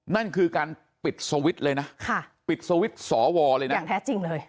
นั่นคือการปิดเลยนะค่ะปิดสอวรเลยนะอย่างแท้จริงเลย